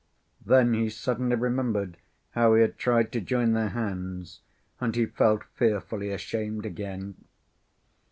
Then he suddenly remembered how he had tried to join their hands, and he felt fearfully ashamed again.